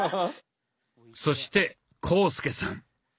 そして浩介さん。